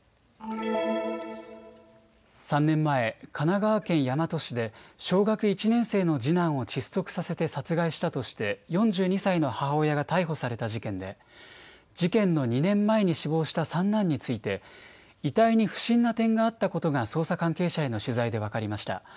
３年前、神奈川県大和市で小学１年生の次男を窒息させて殺害したとして４２歳の母親が逮捕された事件で事件の２年前に死亡した三男について遺体に不審な点があったことが捜査関係者への取材で分かりました。